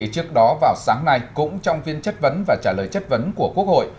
trước đó vào sáng nay cũng trong phiên chất vấn và trả lời chất vấn của quốc hội